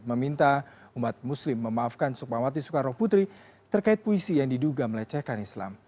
meminta umat muslim memaafkan sukmawati soekarno putri terkait puisi yang diduga melecehkan islam